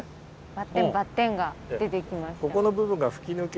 バッテンバッテンが出てきました。